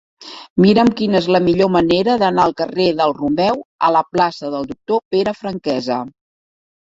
Mira'm quina és la millor manera d'anar del carrer del Romeu a la plaça del Doctor Pere Franquesa.